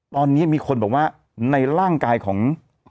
ตอนนี้มีคนบอกว่าในร่างกายของ